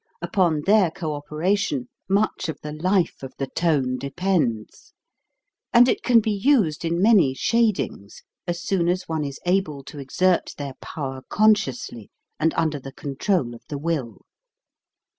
Upon their cooperation much of the life of the tone depends, and it can be used in many shadings, as soon as one is able to exert their power consciously and under the control of the will.